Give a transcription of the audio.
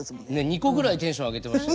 ２個ぐらいテンション上げてました。